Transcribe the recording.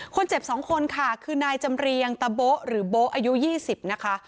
คนเจ็บ๒คนค่ะคือนายจำเรียงตะโบ๊ะหรือโบ๊อายุ๒๐นะคะ